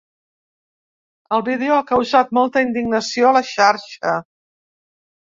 El vídeo ha causat molta indignació a la xarxa.